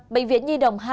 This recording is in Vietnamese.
bệnh viện nhi đồng hai